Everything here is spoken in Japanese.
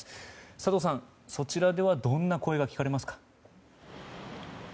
佐藤さん、そちらではどんな声が聞かれますか。